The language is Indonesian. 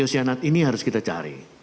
d oceanate ini harus kita cari